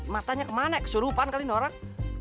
matanya kemana kesurupan kali ini orang